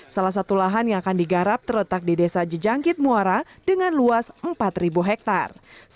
salah satu lahan yang akan digarap terletak di desa jejangkit muara dengan luas empat hektare